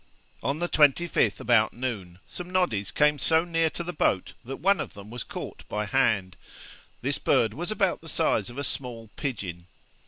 On the 25th about noon, some noddies came so near to the boat, that one of them was caught by hand. This bird was about the size of a small pigeon.